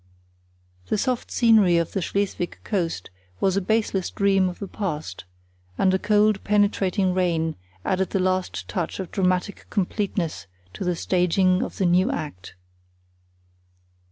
The soft scenery of the Schleswig coast was a baseless dream of the past, and a cold penetrating rain added the last touch of dramatic completeness to the staging of the new act.